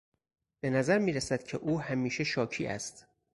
به نظر میرسد که او همیشه شاکی است.